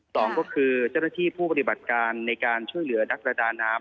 สองก็คือเจ้าหน้าที่ผู้ปฏิบัติการในการช่วยเหลือนักประดาน้ำ